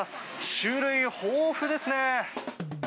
種類豊富ですね。